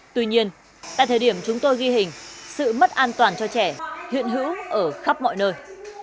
tuy nhiên tại thời điểm chúng tôi ghi hình sự mất an toàn cho trẻ hiện hữu ở khắp mọi nơi